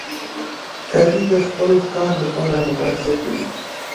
ښکاري د خپل ښکار لپاره مبارزه کوي.